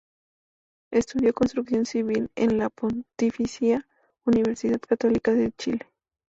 Estudió construcción civil en la Pontificia Universidad Católica de Chile.